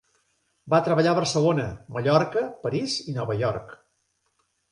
Va treballar a Barcelona, Mallorca, París i Nova York.